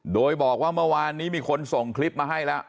โดยบอกว่าเมื่อวานนี้มีคนส่งคลิปมาให้แล้ว